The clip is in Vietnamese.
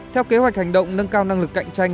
theo kế hoạch hành động nâng cao năng lực cạnh tranh